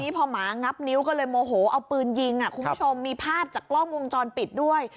พอหมางับนิ้วก็เลยโมโหเอาปืนยิงคุณผู้ชมมีภาพจากกล้องวงจรปิดด้วย